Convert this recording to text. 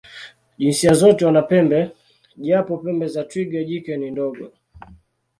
Jinsia zote wana pembe, japo pembe za twiga jike ni ndogo.